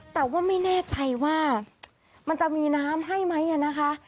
แต่ว่าไม่แน่ใจว่ามันจะมีน้ำให้ไหมนะคะ